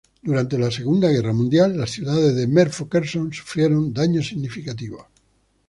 Durante la Segunda Guerra Mundial, las ciudades de Merpho-Kherson sufrieron daños significativos.